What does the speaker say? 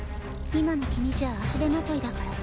今の君じゃ足手まといだから。